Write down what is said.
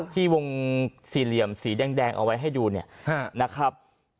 ที่วงสี่เหลี่ยมสีแดงเอาไว้ให้ดูเนี่ยนะครับ